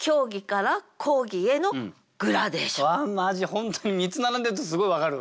本当に３つ並んでるとすごい分かる。